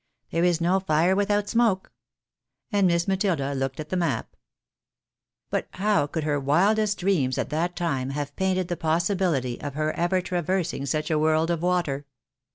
There is no fire without smoke." And Miss Matilda looked at the map. But how could her wildest dreams at that time have painted the possibiUty of her ever traversing such a world of water